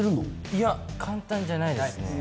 いや、簡単じゃないですね。